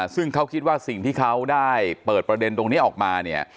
ซึ่งเขาคิดว่าสิ่งที่เขาได้เปิดประเด็นตรงนี้ออกมาเนี่ย